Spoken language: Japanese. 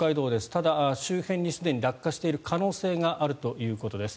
ただ、周辺にすでに落下している可能性があるということです。